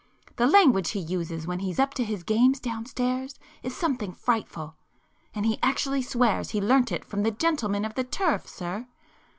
The language he uses when he's up to his games downstairs is something frightful! And he actually swears he learnt it from the gentlemen of the turf, sir!